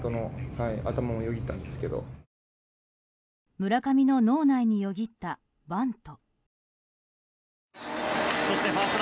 村上の脳内によぎったバント。